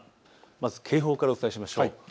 まず警報からお伝えしましょう。